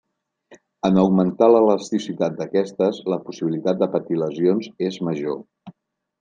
En augmentar l'elasticitat d'aquestes, la possibilitat de patir lesions és major.